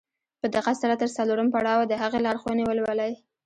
په دقت سره تر څلورم پړاوه د هغې لارښوونې ولولئ.